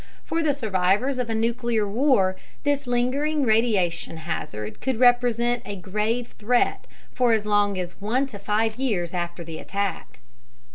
For the survivors of a nuclear war, this lingering radiation hazard could represent a grave threat for as long as 1 to 5 years after the attack.